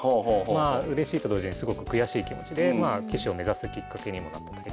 うれしいと同時にすごく悔しい気持ちで棋士を目指すきっかけにもなった大会だったんですね。